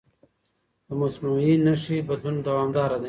د مصنوعي نښې بدلون دوامداره دی.